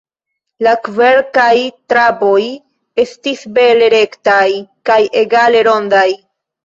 La kverkaj traboj estis bele-rektaj kaj egale-rondaj.